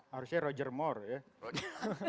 harusnya roger moore ya